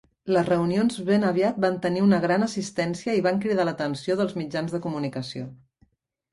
Les reunions ben aviat van tenir una gran assistència i van cridar l'atenció dels mitjans de comunicació.